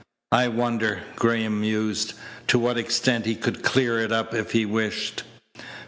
"I wonder," Graham mused, "to what extent he could clear it up if he wished."